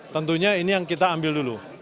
tentunya ini yang kita ambil dulu